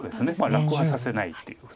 楽はさせないっていうことです。